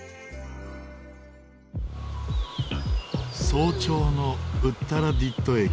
早朝のウッタラディット駅。